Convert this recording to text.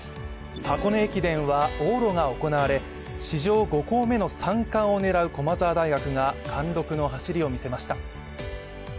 箱根駅伝は往路が行われ、史上５校目の三冠を狙う駒澤大学が貫禄の走りを見せました。